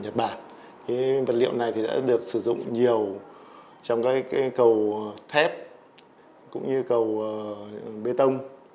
nhật bản cái vật liệu này thì đã được sử dụng nhiều trong cái cầu thép cũng như cầu bê tông